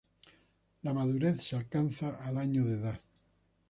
La madurez se alcanza al año de edad.